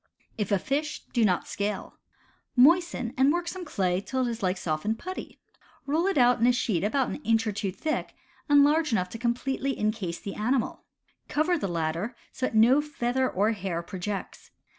If a fish, do not scale. Moisten and work some clay till it is like softened putty. Roll it out in a sheet an inch or two thick and large enough to com pletely incase the animal. Cover the latter so that no feather or hair projects.